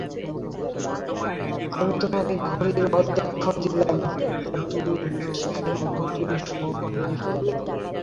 আমি তোমাকে ঘড়ির আদ্যক্ষর দিলাম আর তুমি সেটাকে ভুতুড়ে শো বানিয়ে ফেললে।